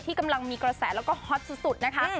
กำลังมีกระแสแล้วก็ฮอตสุดนะคะ